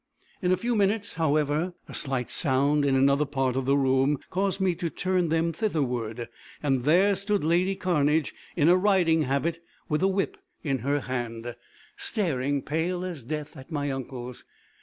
In a few minutes, however, a slight sound in another part of the room, caused me to turn them thitherward. There stood lady Cairnedge, in a riding habit, with a whip in her hand, staring, pale as death, at my uncles.